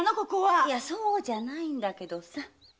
いやそうじゃないけどさ。